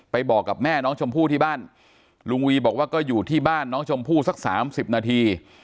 บอกกับแม่น้องชมพู่ที่บ้านลุงวีบอกว่าก็อยู่ที่บ้านน้องชมพู่สักสามสิบนาที